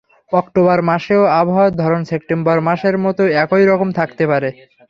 October মাসেও আবহাওয়ার ধরন সেপ্টেম্বর মাসের মতো একই রকম থাকতে পারে।